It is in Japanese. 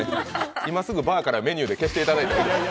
今すぐバーからメニューを消していただいて。